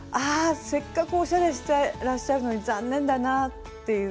せっかくおしゃれしてらっしゃるのに残念だなっていうね。